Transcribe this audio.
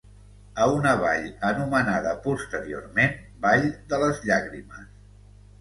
A una vall anomenada posteriorment Vall de les llàgrimes.